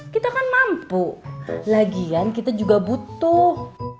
kita kan mampu lagian kita juga butuh